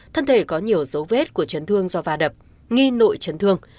thân thể có nhiều dấu vết của chấn thương do va đập nghi nội chấn thương